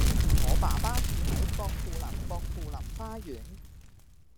我爸爸住喺薄扶林薄扶林花園